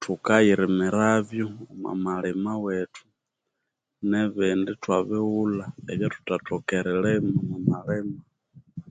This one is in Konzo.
Thukayirimirabyo omwamalhimawethu nibindi ithwabighulha ebyathuthakoka erilhimaomwamalhima